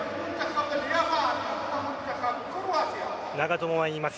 長友は言います。